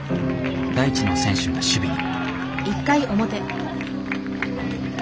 大智の選手が守備に。